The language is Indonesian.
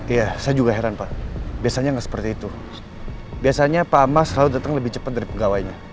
iya saya juga heran pak biasanya nggak seperti itu biasanya pak amas selalu datang lebih cepat dari pegawainya